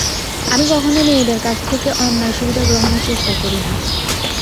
আমি কখনো মেয়েদের কাছ থেকে অন্যায় সুবিধা গ্রহণের চেষ্টা করি না।